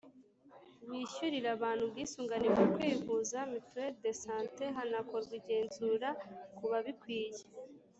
Wishyurira abantu ubwisungane mu kwivuza [mutuelle de sante] hanakorwa igenzura kubabikwiye